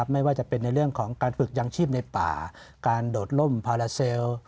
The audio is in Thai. ไม่ว่าจะเป็นในเรื่องของการฝึกยังชีพในป่าการโดดล่มพาราเซล